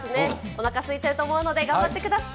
おなかすいてると思うので、頑張ります。